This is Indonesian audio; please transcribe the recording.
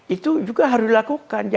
itu juga harus dilakukan